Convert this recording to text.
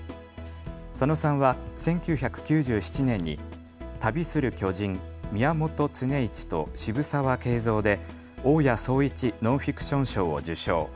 佐野さんは１９９７年に旅する巨人宮本常一と渋沢敬三で大宅壮一ノンフィクション賞を受賞。